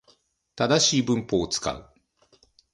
正しい文法を使う